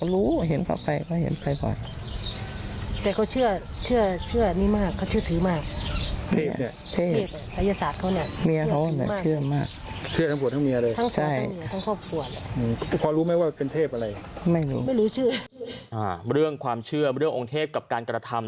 เรื่องความเชื่อเรื่ององค์เทพกับการกระทำ